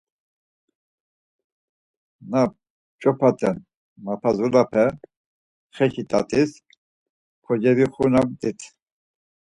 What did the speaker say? Na p̌ç̌opaten map̌azulepe xeşi tatis kocevixunamt̆it.